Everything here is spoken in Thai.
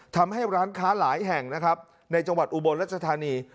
ทำให้ร้านค้าหลายแห่งนะครับในจังหวัดอุบลรัชธานี